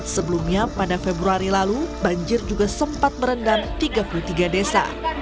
sebelumnya pada februari lalu banjir juga sempat merendam tiga puluh tiga desa